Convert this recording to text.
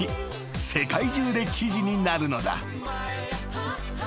［世界中で記事になるのだ］